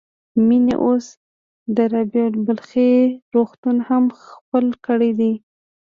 مينې اوس د رابعه بلخي روغتون هم خپل کړی دی.